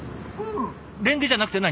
レンゲじゃなくて何？